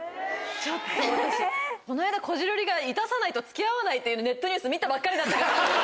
ちょっと私この間こじるりが致さないと付き合わないっていうネットニュース見たばっかりだったから。